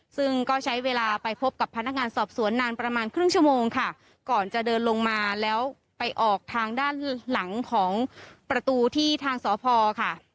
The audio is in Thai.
ซึ่งก็ใช้เวลาไปพบกับพนักงานสอบสวนนานประมาณครึ่งชั่วโมงค่ะก่อนจะเดินลงมาแล้วไปออกทางด้านหลังของประตูที่ทางสพค่ะ